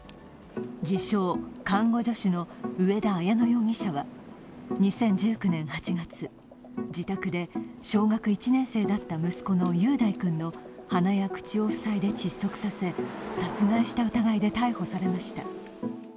自称・看護女子の上田綾乃容疑者は、２０１９年８月、自宅で小学１年生だった息子の雄大君の鼻や口を塞いで窒息させ殺害した疑いで逮捕されました。